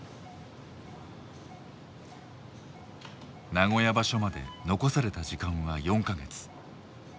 名古屋場所まで残された時間は４か月。